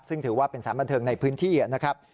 ซึ่งถือว่าเป็นสารบันเทิงในพื้นที่นะครับ